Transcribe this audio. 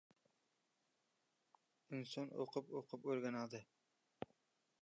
• Inson o‘qib-o‘qib o‘rganadi.